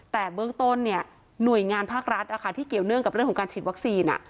แต่เบื้องต้นหน่วยงานภาครัฐที่เกี่ยวเนื่องกับเรื่องของการฉีดวัคซีน